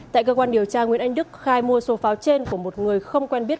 tại cơ quan điều tra nguyễn anh đức khai mua số pháo trên của một người không quen biết